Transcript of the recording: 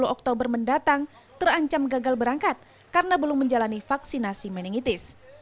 sepuluh oktober mendatang terancam gagal berangkat karena belum menjalani vaksinasi meningitis